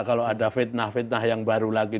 kalau ada fitnah fitnah yang baru lagi